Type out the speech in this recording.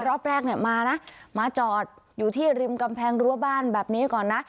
รอบแรกเนี่ยมานะมาจอดอยู่ที่ริมกำแพงรั้วบ้านแบบนี้ก่อนนะ